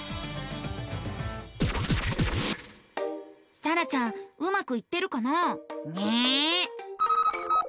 さらちゃんうまくいってるかな？ね。